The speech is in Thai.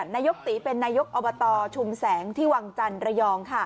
นายกตีเป็นนายกอบตชุมแสงที่วังจันทร์ระยอง